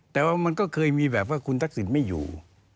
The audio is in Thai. แต่ว่ามันก็เคยมีแบบว่าคุณทักษิณไม่อยู่